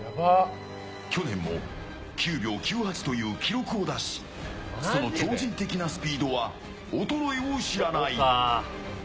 去年も９秒９８という記録を出しその超人的なスピードは衰えを知らない。